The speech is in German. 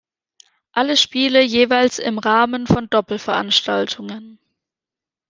Alle Spiele jeweils im Rahmen von Doppelveranstaltungen.